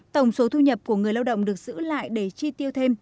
tổng số thu nhập của người lao động được giữ lại để chi tiêu thêm